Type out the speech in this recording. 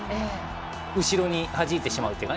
後ろにはじいてしまうというか。